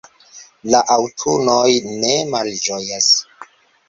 la aŭtunoj ne malĝojas